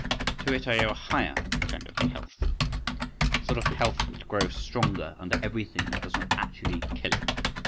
To it I owe a higher kind of health, a sort of health which grows stronger under everything that does not actually kill it!